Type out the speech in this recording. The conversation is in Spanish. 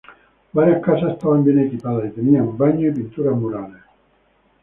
Varias casas estaban bien equipadas y tenían baños y pinturas murales.